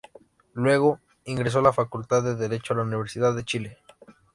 Luego, ingresó a la Facultad de Derecho de la Universidad de Chile.